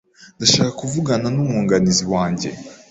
Ndashaka kuvugana n'umwunganizi wanjye.